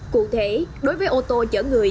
cụ thể đối với ô tô chở người